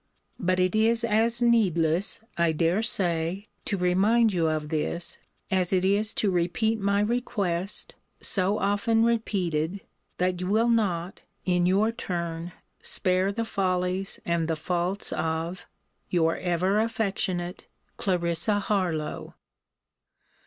But it is as needless, I dare say, to remind you of this, as it is to repeat my request, so often repeated, that you will not, in your turn, spare the follies and the faults of Your ever affectionate CL. HARLOWE.